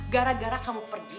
gara gara kamu pergi